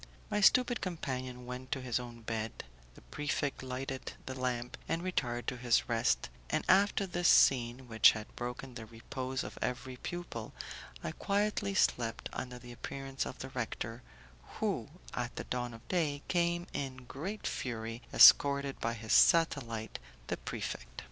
My stupid companion went to his own bed, the prefect lighted the lamp and retired to his rest, and after this scene, which had broken the repose of every pupil, I quietly slept until the appearance of the rector, who, at the dawn of day, came in great fury, escorted by his satellite, the prefect.